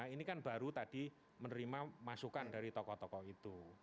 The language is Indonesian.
ini kan baru tadi menerima masukan dari tokoh tokoh itu